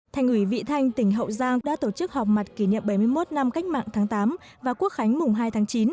thành ủy vị thanh tỉnh hậu giang đã tổ chức họp mặt kỷ niệm bảy mươi một năm cách mạng tháng tám và quốc khánh mùng hai tháng chín